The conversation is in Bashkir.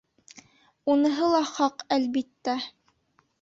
Уныһы ла хаҡ, әлбиттә.